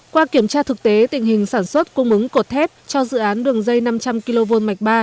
qua kiểm tra thực tế tình hình sản xuất cung ứng cột thép cho dự án đường dây năm trăm linh kv mạch ba